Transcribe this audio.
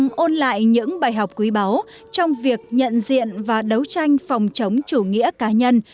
đăng ôn lại những bài học quý báu trong việc nhận diện và đấu tranh phòng chống chủ nghĩa cá nhân